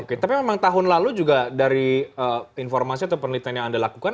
oke tapi memang tahun lalu juga dari informasi atau penelitian yang anda lakukan